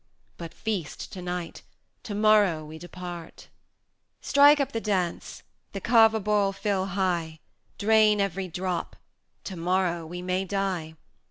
But feast to night! to morrow we depart. Strike up the dance! the Cava bowl fill high! Drain every drop! to morrow we may die.